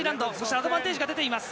アドバンテージが出ています。